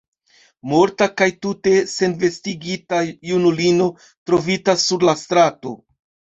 Morta kaj tute senvestigita junulino trovita sur la strato!